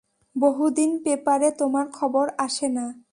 বহুদিন পেপারে তোমার খবর আসে না।